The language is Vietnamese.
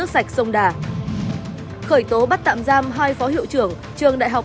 sau đây là nội dung chi tiết